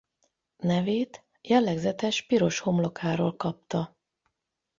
Nevét jellegzetes piros homlokáról kapta.